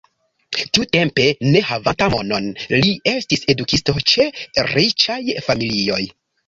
Tiutempe ne havanta monon li estis edukisto ĉe riĉaj familioj.